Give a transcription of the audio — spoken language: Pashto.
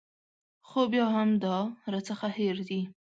خو بیا هم دا راڅخه هېر دي.